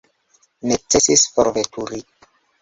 Necesis forveturi.